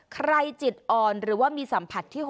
จิตอ่อนหรือว่ามีสัมผัสที่๖